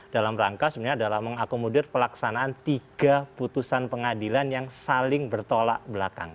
dalam rangka sebenarnya adalah mengakomodir pelaksanaan tiga putusan pengadilan yang saling bertolak belakang